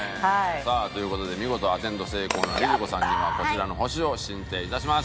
という事で見事アテンド成功のＬｉＬｉＣｏさんにはこちらの星を進呈いたします。